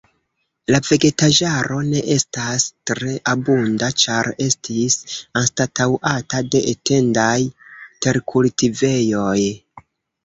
La vegetaĵaro ne estas tre abunda, ĉar estis anstataŭata de etendaj terkultivejoj.